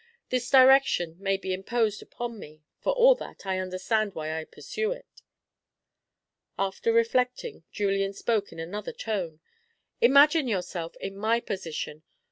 This direction may be imposed upon me; for all that, I understand why I pursue it." After reflecting, Julian spoke in another tone. "Imagine yourself in my position.